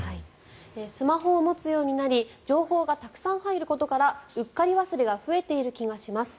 スマホを持つようになり情報がたくさん入ることからうっかり忘れが増えている気がします。